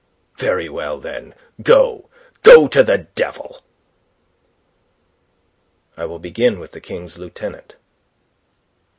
"Very well, then, go... Go to the devil!" "I will begin with the King's Lieutenant."